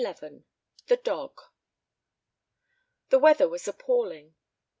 XI The Dog THE weather was appalling.